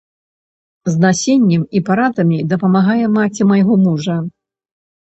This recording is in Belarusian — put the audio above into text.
З насеннем і парадамі дапамагае маці майго мужа.